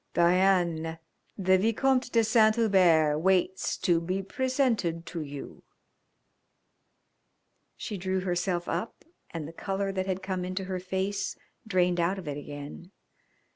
"Diane, the Vicomte de Saint Hubert waits to be presented to you." She drew herself up and the colour that had come into her face drained out of it again.